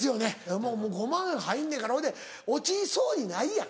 もうもう５万人入んねんから。ほいで落ちそうにないやん。